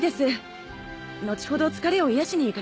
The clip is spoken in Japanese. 後ほど疲れを癒やしに行かれてください。